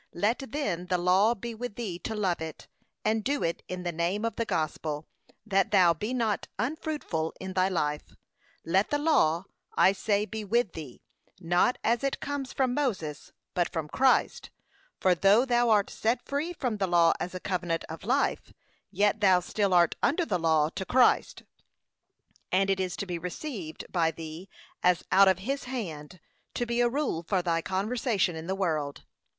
Let then the law be with thee to love it, and do it in the spirit of the gospel, that thou be not unfruitful in thy life. Let the law, I say, be with thee, not as it comes from Moses, but from Christ; for though thou art set free from the law as a covenant of life, yet thou still art under the law to Christ; and it is to be received by thee as out of his hand, to be a rule for thy conversation in the world.